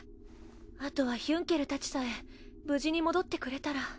あとはヒュンケルたちさえ無事に戻ってくれたら。